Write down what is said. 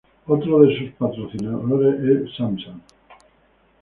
Otro de sus patrocinadores es Samsung.